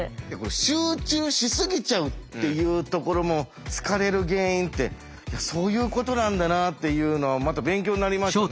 集中しすぎちゃうっていうところも疲れる原因っていやそういうことなんだなっていうのはまた勉強になりましたね。